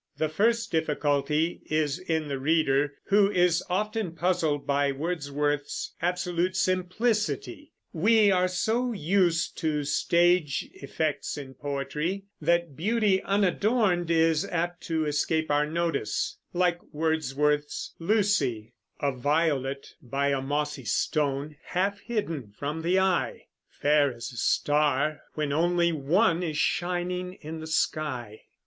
The first difficulty is in the reader, who is often puzzled by Wordsworth's absolute simplicity. We are so used to stage effects in poetry, that beauty unadorned is apt to escape our notice, like Wordsworth's "Lucy": A violet by a mossy stone, Half hidden from the eye; Fair as a star, when only one Is shining in the sky.